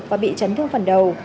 và bị chấn thương phần đầu